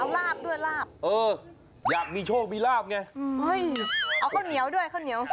เอาลาบด้วยลาบเอออยากมีโชคมีลาบไงเอาข้าวเหนียวด้วยข้าวเหนียว